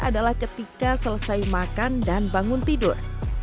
adalah ketika selesai makan dan bangun tidur